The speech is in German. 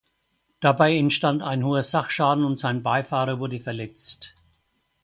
Dabei entstand ein hoher Sachschaden und sein Beifahrer wurde verletzt.